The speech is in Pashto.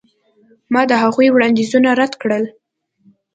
ما د هغوی وړاندیزونه رد کړل.